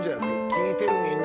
聴いてるみんなも